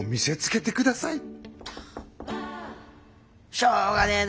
しょうがねえな。